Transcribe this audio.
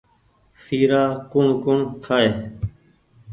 سيرآ ڪوٚڻ ڪوٚڻ کآئي